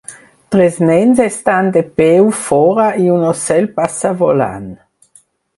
Tres nens estan de peu fora i un ocell passa volant.